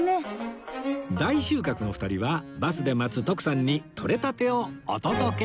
大収穫の２人はバスで待つ徳さんにとれたてをお届け